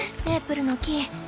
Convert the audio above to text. メープルの木。